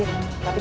dia melarikan diri